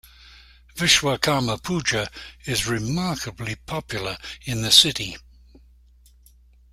Vishwakarma Puja is remarkably popular in the city.